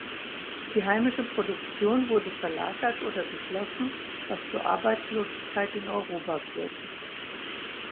Die heimische Produktion wurde verlagert oder geschlossen, was zu Arbeitslosigkeit in Europa führte.